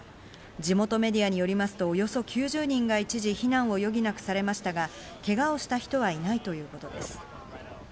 地元メディアによりますとおよそ９０人が一時避難を余儀なくされましたが、けがをした人はいないということです。